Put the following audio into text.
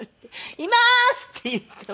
「います！」って言って。